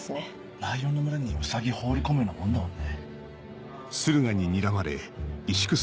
ライオンの群れにウサギ放り込むようなもんだもんね。